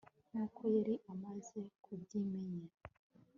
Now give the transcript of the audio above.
nk'uko yari amaze kubyiyemerera